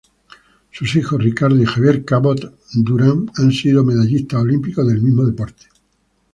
Sus hijos Ricardo y Javier Cabot Duran han sido medallistas olímpicos del mismo deporte.